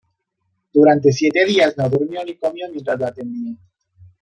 Durante siete días no durmió ni comió mientras lo atendía.